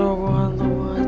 halo gue hantu buat